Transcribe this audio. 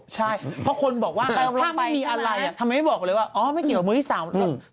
ใช่เพราะคนบอกว่าถ้าไม่มีอะไรทำไมไม่บอกเลยว่าอ๋อไม่เกี่ยวกับมือที่สามหรอก